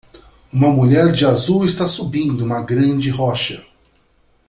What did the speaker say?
Uma mulher de azul está subindo uma grande rocha